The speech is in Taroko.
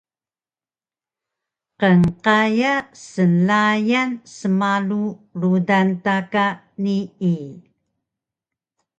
Qnqaya snlayan smalu rudan ta ka nii